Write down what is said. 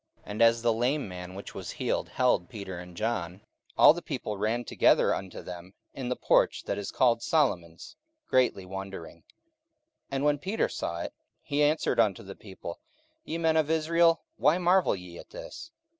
44:003:011 And as the lame man which was healed held Peter and John, all the people ran together unto them in the porch that is called Solomon's, greatly wondering. 44:003:012 And when Peter saw it, he answered unto the people, Ye men of Israel, why marvel ye at this?